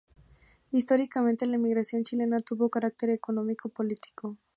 Históricamente, la emigración chilena tuvo carácter económico-político.